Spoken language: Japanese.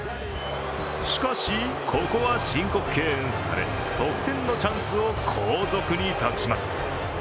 しかし、ここは申告敬遠され得点のチャンスを後続に託します。